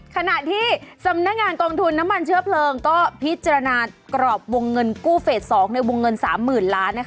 ขณะที่สำนักงานกองทุนน้ำมันเชื้อเพลิงก็พิจารณากรอบวงเงินกู้เฟส๒ในวงเงิน๓๐๐๐ล้าน